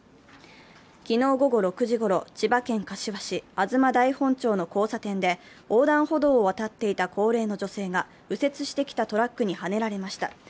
昨日午後６時ごろ、千葉県柏市東台本町の交差点で横断歩道を渡っていた高齢の女性が右折してきたトラックにはねられました。